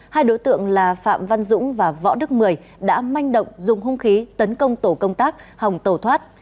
hai đối tượng là phạm văn dũng và võ đức mười đã manh động dùng hung khí tấn công tổ công tác hồng tổ thoát